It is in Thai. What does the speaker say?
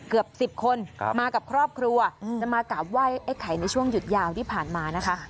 เกือบ๑๐คนมากับครอบครัวจะมากราบไหว้ไอ้ไข่ในช่วงหยุดยาวที่ผ่านมานะคะ